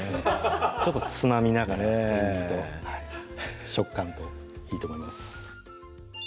ちょっとつまみながら塩味と食感といいと思います